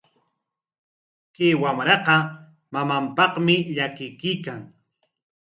Chay wamraqa mamanpaqmi llakikuykan.